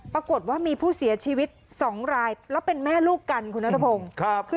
ปรากฏว่ามีผู้เสียชีวิต๒รายแล้วเป็นแม่ลูกกันคุณนัทพงศ์